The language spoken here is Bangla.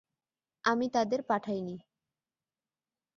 আমি তাদের পাঠাইনি।